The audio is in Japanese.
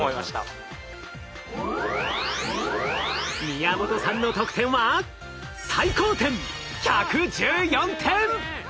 宮本さんの得点は最高点１１４点！